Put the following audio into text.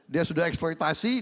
dia sudah eksploitasi